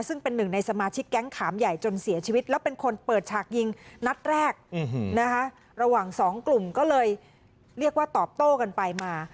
ซึ่งเป็นหนึ่งในสมาชิกแก๊งขามใหญ่จนเสียชีวิตแล้วเป็นคนเปิดฉากยิงนัดแรกนะคะระหว่างสองกลุ่มก็เลยเรียกว่าตอบโต้กันไปมา